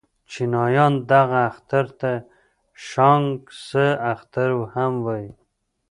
چينایان دغه اختر ته شانګ سه اختر هم وايي.